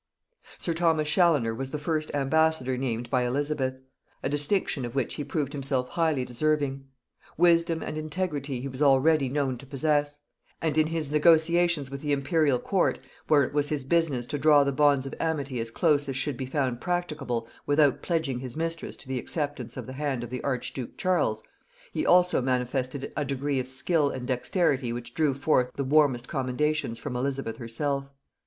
Sir Thomas Chaloner was the first ambassador named by Elizabeth; a distinction of which he proved himself highly deserving. Wisdom and integrity he was already known to possess; and in his negotiations with the imperial court, where it was his business to draw the bonds of amity as close as should be found practicable without pledging his mistress to the acceptance of the hand of the archduke Charles, he also manifested a degree of skill and dexterity which drew forth the warmest commendations from Elizabeth herself.